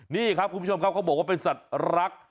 นี่ครับคุณผู้ชมครับเขาบอกว่าเป็นสัตว์รัก